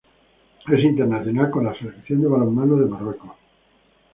Es internacional con la Selección de balonmano de Marruecos.